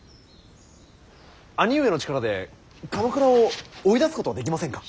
兄上の力で鎌倉を追い出すことはできませんか。